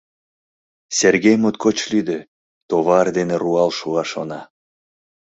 Сергей моткоч лӱдӧ: товар дене руал шуа, шона.